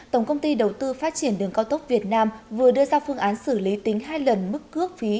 tổng công ty đầu tư phát triển đường cao tốc việt nam vừa đưa ra phương án xử lý tính hai lần mức cước phí